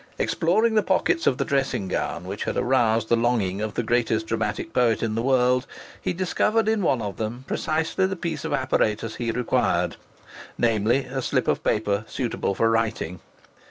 Exploring the pockets of the dressing gown which had aroused the longing of the greatest dramatic poet in the world, he discovered in one of them precisely the piece of apparatus he required namely, a slip of paper suitable for writing.